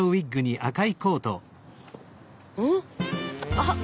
あっ！